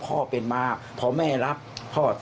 คือไม่ห่วงไม่หาวแล้วไป